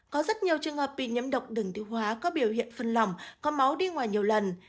có rất nhiều trường hợp bị nhiễm độc đường tiêu hóa có biểu hiện phân lỏng có máu đi ngoài nhiều lần